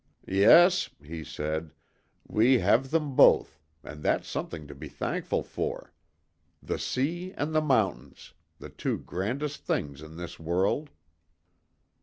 "Yes," he said; "we have them both, and that's something to be thankful for. The sea and the mountains: the two grandest things in this world."